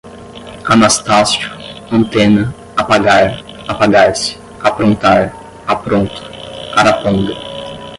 anastácio, antena, apagar, apagar-se, aprontar, apronto, araponga